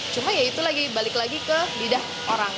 cuma ya itu lagi balik lagi ke lidah orang